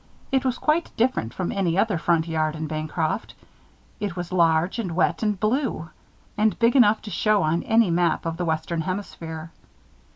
It was quite different from any other front yard in Bancroft. It was large and wet and blue; and big enough to show on any map of the Western Hemisphere.